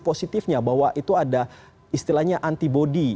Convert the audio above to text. positifnya bahwa itu ada istilahnya antibody